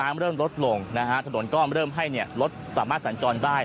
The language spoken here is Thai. เริ่มลดลงนะฮะถนนก็เริ่มให้เนี่ยรถสามารถสัญจรได้